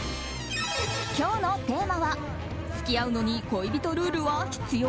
今日のテーマは付き合うのに恋人ルールは必要？